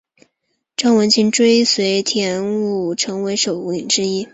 张文庆追随田五成为首领之一。